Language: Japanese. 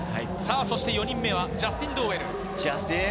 そして４人目はジャスティン・ドーウェル。